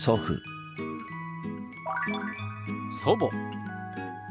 「祖母」。